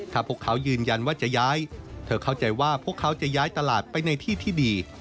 ถ้าพวกเขายืนยันว่าจะย้ายเธอเข้าใจว่าพวกเขาจะย้ายตลาดไปในที่ที่ดี